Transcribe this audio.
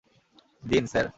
দিন, স্যার।